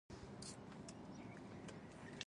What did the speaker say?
رومیان د خوړو مالګه نه غواړي